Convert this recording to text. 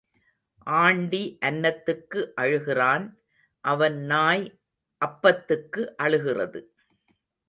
Aunty அன்னத்துக்கு அழுகிறான் அவன் நாய் அப்பத்துக்கு அழுகிறது.